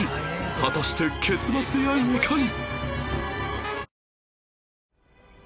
果たして結末やいかに？